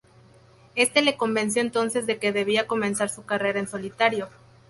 Éste le convenció entonces de que debía comenzar su carrera en solitario.